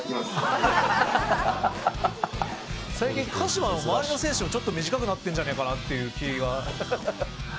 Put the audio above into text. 最近鹿島の周りの選手もちょっと短くなってるんじゃねえかなっていう気が。